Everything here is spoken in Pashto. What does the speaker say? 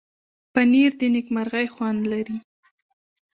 پنېر د نېکمرغۍ خوند لري.